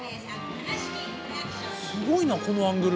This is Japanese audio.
すごいなこのアングル。